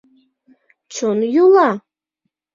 — Чон йӱла!